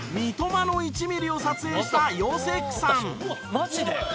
マジで？」